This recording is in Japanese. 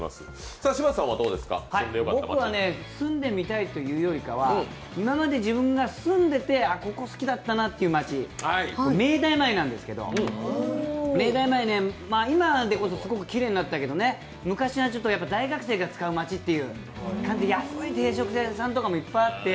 僕は住んでみたいというよりかは今まで自分が住んでて、ここ好きだったなという町明大前なんですけど、今でこそすごくきれいになったけど昔は大学生が使う街っていう感じで、安い定食屋さんとかもいっぱいあって。